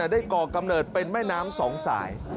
ก่อกำเนิดเป็นแม่น้ำสองสาย